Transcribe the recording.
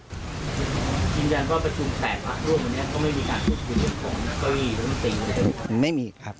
ปัจจุแปลกหลักร่วมหรือไม่มีการควบคุม